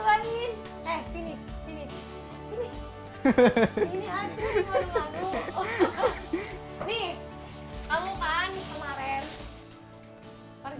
kamu kan kemarin kerja tidak ada sepatu kan